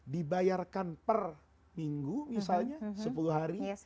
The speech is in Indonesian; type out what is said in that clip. dibayarkan per minggu misalnya sepuluh hari